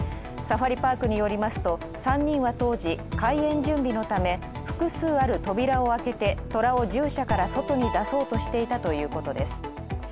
サファリパークによりますと３人は当時開園準備のため、複数ある扉を開けてトラを獣舎から外に出そうとしていたということです。